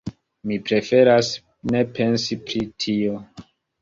Mi preferas ne pensi pri tio.